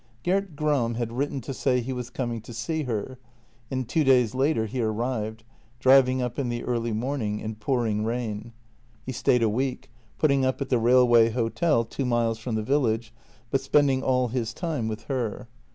Gert Gram had written to say he was coming to see her, and two days later he arrived, driving up in the early morning in pouring rain. He stayed a week, putting up at the railway hotel two miles from the village, but spending all his time with her.